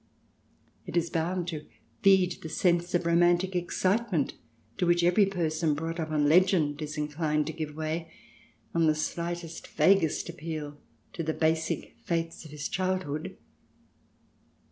It is bound to feed the sense of romantic excitement to which every person brought up on legend is inclined to give way on the slightest, vaguest, appeal to the basic faiths of his childhood.